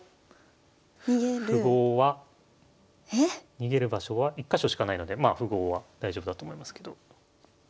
逃げる場所は１か所しかないのでまあ符号は大丈夫だと思いますけど。